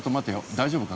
大丈夫か？